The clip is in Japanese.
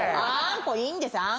あんこいいんです。